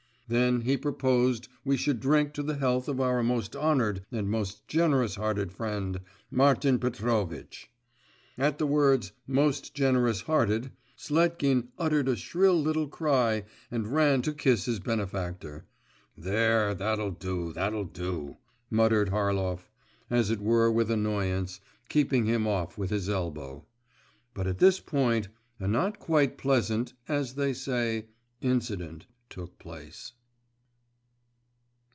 Then he proposed we should drink to the health of our most honoured and most generous hearted friend, Martin Petrovitch. At the words 'most generous hearted,' Sletkin uttered a shrill little cry and ran to kiss his benefactor.… 'There, that'll do, that'll do,' muttered Harlov, as it were with annoyance, keeping him off with his elbow.… But at this point a not quite pleasant, as they say, incident took place.